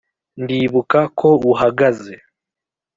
ndibuka ko uhagaze